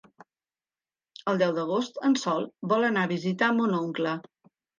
El deu d'agost en Sol vol anar a visitar mon oncle.